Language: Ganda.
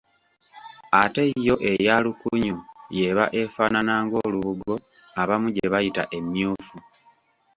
Ate yo eya lukunyu y'eba efaanana ng'olubugo abamu gye bayita emmyufu.